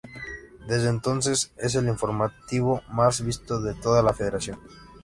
Desde entonces es el informativo más visto de toda la Federación.